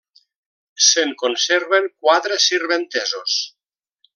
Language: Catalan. Se'n conserven quatre sirventesos.